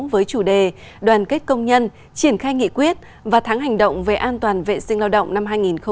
với chủ đề đoàn kết công nhân triển khai nghị quyết và tháng hành động về an toàn vệ sinh lao động năm hai nghìn hai mươi